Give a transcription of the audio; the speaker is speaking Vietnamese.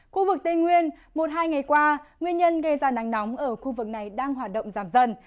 khu vực tây nguyên một hai ngày qua nguyên nhân gây ra nắng nóng ở khu vực này đang hoạt động giảm dần